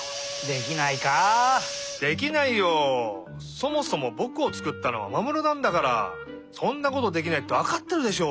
そもそもぼくをつくったのはマモルなんだからそんなことできないってわかってるでしょ！